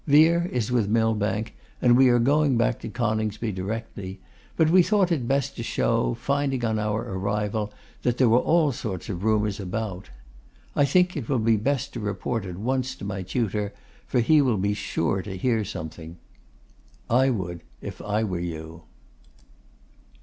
Vere is with Millbank, and we are going back to Coningsby directly; but we thought it best to show, finding on our arrival that there were all sorts of rumours about. I think it will be best to report at once to my tutor, for he will be sure to hear something.' 'I would if I were you.